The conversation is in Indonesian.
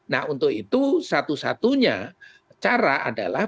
nah untuk itu satu satunya cara adalah